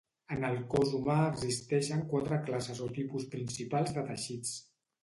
En el cos humà existeixen quatre classes o tipus principals de teixits